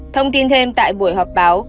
thông tin thêm tại buổi họp báo